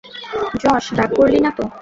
Josh, রাগ করলি নাতো?